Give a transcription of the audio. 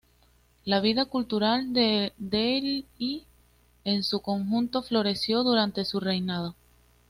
La vida cultural de Delhi en su conjunto floreció durante su reinado.